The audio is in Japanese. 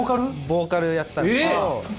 ボーカルやってたんですけど。